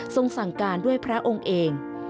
สั่งการด้วยพระองค์เอง